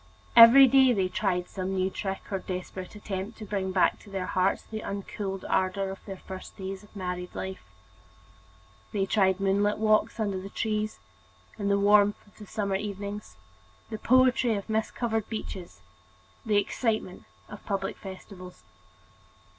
Every day they tried some new trick or desperate attempt to bring back to their hearts the uncooled ardor of their first days of married life. They tried moonlight walks under the trees, in the sweet warmth of the summer evenings: the poetry of mist covered beaches; the excitement of public festivals.